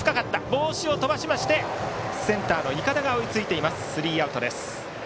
帽子を飛ばしましてセンターの筏が追いついてスリーアウトです。